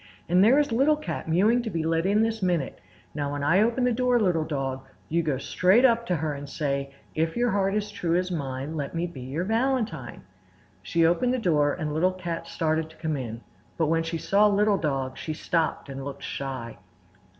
"And there is Little Cat mewing to be let in this minute. Now when I open the door, Little Dog, go straight up to her and say: "'If your heart is true as mine, Let me be your valentine!'" She opened the door and Little Cat started to come in, but when she saw Little Dog she stopped and looked shy.